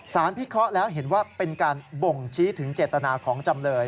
พิเคราะห์แล้วเห็นว่าเป็นการบ่งชี้ถึงเจตนาของจำเลย